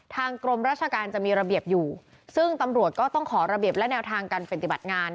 ทางกรมราชการจะมีระเบียบอยู่ซึ่งตำรวจก็ต้องขอระเบียบและแนวทางการปฏิบัติงาน